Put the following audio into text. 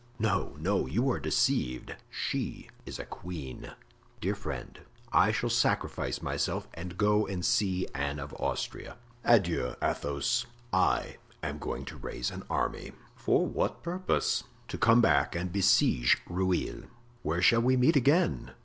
"No, no, you are deceived—she is a queen." "Dear friend, I shall sacrifice myself and go and see Anne of Austria." "Adieu, Athos, I am going to raise an army." "For what purpose?" "To come back and besiege Rueil." "Where shall we meet again?"